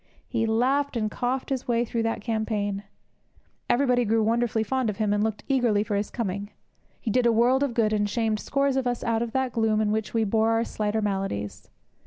He laughed and coughed his way through that campaign. Everybody grew wonderfully fond of him, and looked eagerly for his coming. He did a world of good, and shamed scores of us out of the gloom in which we bore our slighter maladies.